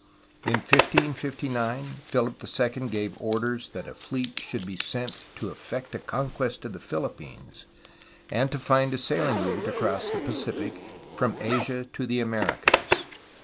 In 1559 Philip II gave orders that a fleet should be sent to effect a conquest of the Philippines and to find a sailing route across the Pacific from Asia to the Americas.